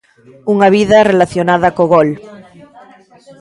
Unha vida relacionada co gol.